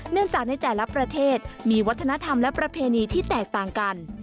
จากในแต่ละประเทศมีวัฒนธรรมและประเพณีที่แตกต่างกัน